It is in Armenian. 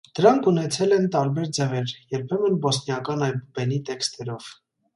Դրանք ունեցել են տարբեր ձևեր, երբեմն բոսնիական այբուբենի տեքստերով։